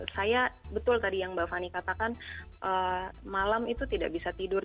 saya betul tadi yang mbak fani katakan malam itu tidak bisa tidur